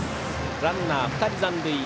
ランナー、２人残塁。